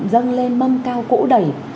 dâng lên mâm cao cỗ đẩy